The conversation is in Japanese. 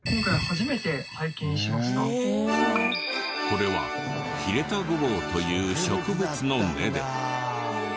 これはヒレタゴボウという植物の根で。